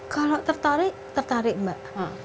kalau tertarik tertarik mbak